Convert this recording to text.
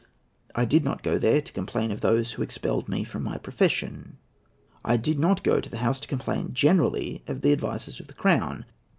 I did not go there to complain of those who expelled me from my profession. I did not go to the House to complain generally of the advisers of the Crown.